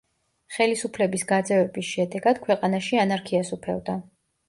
ხელისუფლების გაძევების შედეგად ქვეყანაში ანარქია სუფევდა.